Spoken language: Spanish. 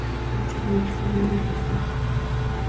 Muchos musulmanes lo son.